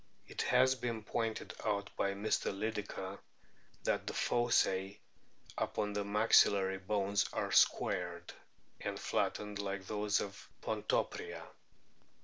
It has been pointed out by Mr. Lydekker* that the fossse upon the maxillary bones are squared and flattened like those of Pontoporia.